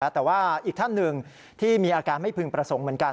แต่ว่าอีกท่านหนึ่งที่มีอาการไม่พึงประสงค์เหมือนกัน